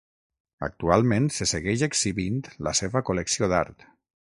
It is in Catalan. Actualment se segueix exhibint la seva col·lecció d'art.